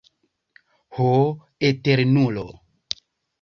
Ho Eternulo!